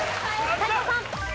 斎藤さん。